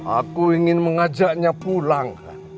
aku ingin mengajaknya pulang